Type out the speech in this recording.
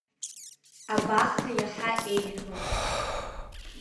Абахҭа иаҳа иеиӷьуп.